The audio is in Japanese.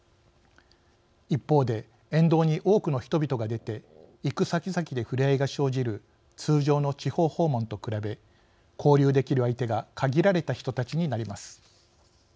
一方で、沿道に多くの人々が出て行く先々で触れ合いが生じる通常の地方訪問と比べ交流できる相手が限られた人たちになります。